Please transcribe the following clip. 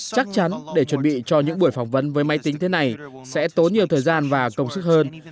chắc chắn để chuẩn bị cho những buổi phỏng vấn với máy tính thế này sẽ tốn nhiều thời gian và công sức hơn